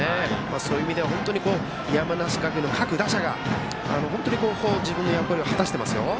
そういう意味では山梨学院の各打者が本当に自分の役割を果たしています。